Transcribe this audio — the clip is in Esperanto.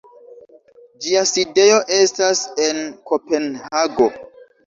Ĝia sidejo estas en Kopenhago.